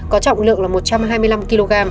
có trọng lượng là một trăm hai mươi năm kg